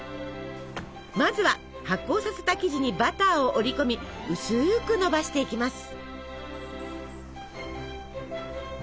まずは発酵させた生地にバターを折り込み薄くのばしていきます。